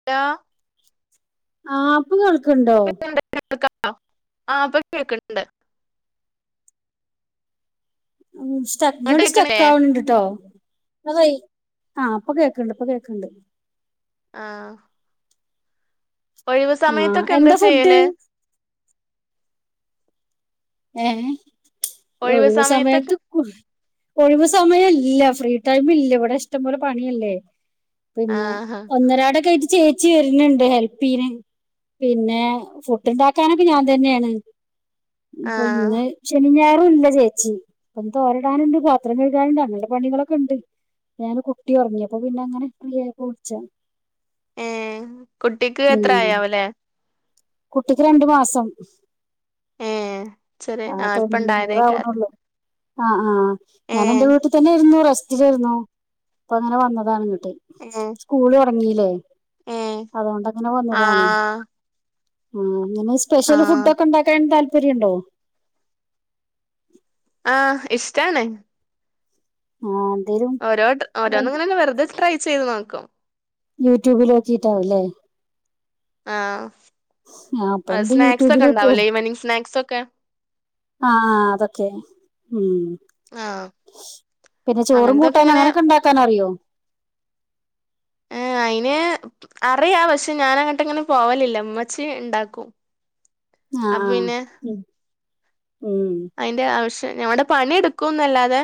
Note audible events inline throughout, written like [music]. [unintelligible] ആഹ് ഇപ്പ കേൾക്ക്ണ്ടോ [unintelligible] ആഹ് ഇപ്പൊ കേക്ക്ണ്ട് ഉം സ്റ്റക്ക് അങ്ങോട്ട് [unintelligible] കേൾക്കണില്ലേ സ്റ്റക്ക് ആവണ് ണ്ട്ട്ടോ [unintelligible] ആഹ് ഇപ്പൊ കേക്ക്ണ്ട് ഇപ്പൊ കേക്ക്ണ്ട് ആഹ് ഒഴിവ് ആഹ് സമയത്തൊക്കെ എന്താ ഫുഡ് ചെയ്യല് ഏഹ് ഒഴിവ് സമയത്ത് ഒഴിവ് സമയമില്ല ഫ്രീ ടൈമില്ല ഇവിട ഇഷ്ടം പോലെ പണിയല്ലേ പിന്നെ ആഹ് ഒന്നരാട [unintelligible] ചേച്ചി വര്ന്ന്ണ്ട് ഹെൽപ്പീന് പിന്നെ ഫുഡ് ഉണ്ടാക്കാനൊക്കെ ഞാൻ തന്നെയാണ് ആ ഇപ്പൊ ഇന്ന് ശനീം ഞായറും ഇല്ല ചേച്ചി ഇപ്പൊ തോരാൻ ഇടാനുണ്ട് പാത്രം കഴുകാനുണ്ട് അങ്ങനത്തെ പണികളൊക്കെ ഇണ്ട് ഞാൻ കുട്ടി ഉറങ്ങി അപ്പൊ പിന്നെ അങ്ങനെ ഫ്രീ ആയിക്ക വിളിച്ച ഏ കുട്ടിക്ക് എത്ര ഉം ആയാവലേ കുട്ടിക്ക് രണ്ടു മാസം ഏ ചെറിയ ആഹ് ആ ഇപ്പൊ ഉണ്ടായതേക്കാ തൊണ്ണൂറാവണള്ളൂ ആഹ് ആഹ് ഏ ഞാന് എൻന്റെ വീട്ടിൽ തന്നെ ആയിരുന്നൂ റെസ് ഇരുന്നു അപ്പൊ അങ്ങനെ വന്നതാണ് ഇങ്ങോട്ട് [unintelligible] സ്കൂൾ തുടങ്ങീല്ലേ ഏ അതുകൊണ്ട്ങ്ങനെ ആ വന്നതാണ് ആഹ് ഇങ്ങനെ ആ സ്പെഷ്യൽ ഫുഡ് ഒക്കെ ഉണ്ടാക്കാൻ താല്പര്യം ഉണ്ടോ ആഹ് ഇഷ്ടാണ് ആഹ് എന്തേലും ഓരോ ഓരോന്നിങ്ങനെ വെറുതെ ട്രൈ ചെയ്ത് നോക്കും യൂ ട്യൂബ്യിൽ നോക്കിട്ടാവുംല്ലേ ആ അപ്പൊ ആഹ് എന്ത് സ്നാക്സ് യൂട്യൂബിൽ ഒക്കെ ഇട്ടു ഇണ്ടാവില്ലേ ഈവനിങ് സ്നാക്സൊക്കെ ആഹ് ആഹ് അതൊക്കെ ഉം ആ പിന്നെ ചോറും അങ്ങനത്തൊക്കെ കൂട്ടാനും ഇങ്ങനെ അങ്ങനൊക്കെ ഇണ്ടാക്കാൻ അറിയോ ഏ അയിന് അറിയാം പക്ഷെ ഞാൻ അങ്ങട്ട് അങ്ങനെ പോവലില്ല ഉമ്മച്ചി ഇണ്ടാക്കും ആഹ് അപ്പൊ ആഹ് പിന്നെ ഉം ഉം അതിൻ്റെ ആവശ്യം ഞാ ഇവടെ പണിയെടുക്കും എന്നല്ലാതെ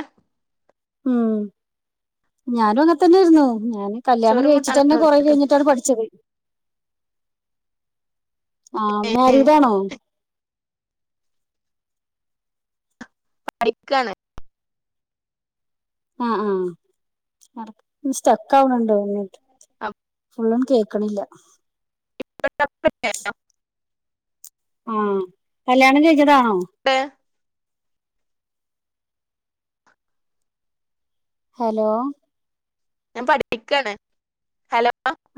ഉം ഞാനും അങ്ങനെത്തന്നെയായിരുന്നു ഞാന് കല്യാണം ചോറും കഴിച്ചിട്ട് തന്നെ കൂട്ടാനൊന്നും കൊറെ ഉണ്ടാക്ക കഴിഞ്ഞിട്ടാണ് പഠിച്ചത് ആഹ് ഏഹ് മാരീഡ് ആണോ പഠിക്കാണ് ആ ഹ്ആഹ് ഇടക്ക് സ്ട്രക്ക് ആവണുണ്ടോ [unintelligible] ഫുള്ളും കേൾക്കണില്ല [inaudible] ആഹ് കല്യാണം കഴിഞ്ഞതാണോ ടെ ഹലോ ഞാൻ പഠിപ്പിക്കാണ് ഹലോ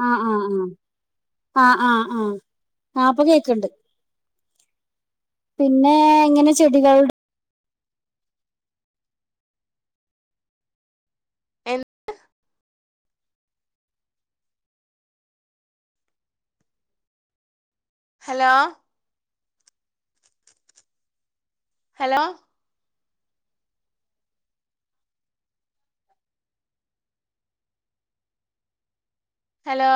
ആഹ് ആഹ് ആഹ് ആഹ് ആഹ് ആഹ് ആ ഇപ്പൊ കേക്കണ്ട് പിന്നെ ഇങ്ങനെ ചെടികൾ എന്ത് ഹലോ. Hello hello